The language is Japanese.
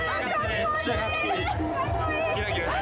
めっちゃかっこいい。